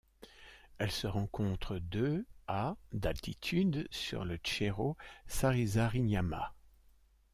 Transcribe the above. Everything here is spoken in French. Elle se rencontre de à d'altitude sur le cerro Sarisariñama.